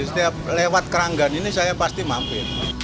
setiap lewat keranggan ini saya pasti mampir